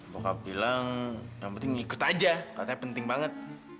bokap bilang yang penting ngikut aja katanya penting banget